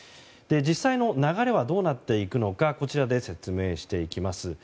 実際の流れはどうなっていくのかこちらで説明していきます。